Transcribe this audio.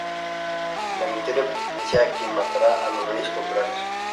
La victoria pertenecía a quien matara a los reyes contrarios.